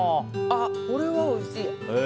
これはおいしい。